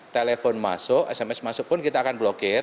telepon masuk sms masuk pun kita akan blokir